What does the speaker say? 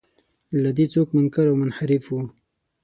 له دې څوک منکر او منحرف و.